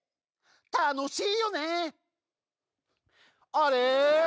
あれ？